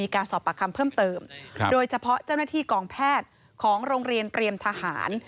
การสอบปากคำเพิ่มเติมโดยเฉพาะเจ้าหน้าที่กองแพทย์ของโรงเรียนเตรียมทหาร